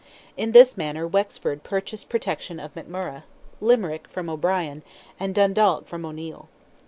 In this manner Wexford purchased protection of McMurrogh, Limerick from O'Brien, and Dundalk from O'Neil.